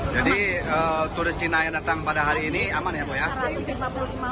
jadi turis cina yang datang pada hari ini aman ya